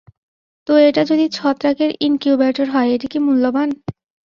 তো এটা যদি ছত্রাকের ইনকিউবেটর হয়, এটা কি মূল্যবান?